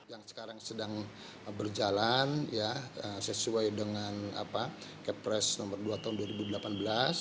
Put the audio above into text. yang sekarang sedang berjalan sesuai dengan kepres nomor dua tahun dua ribu delapan belas